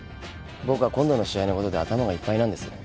僕は今度の試合のことで頭がいっぱいなんです。